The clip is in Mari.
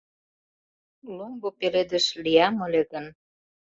Ломбо пеледыш лиям ыле гын